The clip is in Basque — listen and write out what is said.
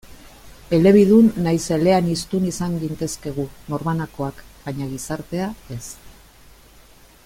Elebidun nahiz eleaniztun izan gintezke gu, norbanakoak, baina gizartea, ez.